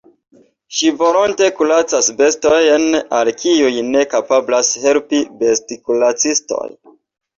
Ŝi volonte kuracas bestojn, al kiuj ne kapablas helpi bestkuracistoj.